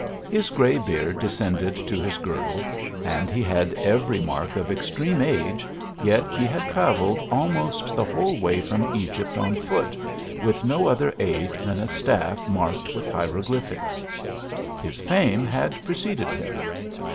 His gray beard descended to his girdle, aud he Lad every mark of extreme age, yet he had travelled almost the whole way from Egypt on foot, with no other aid than a staff marked with hieroglyphics. His fame had preceded him.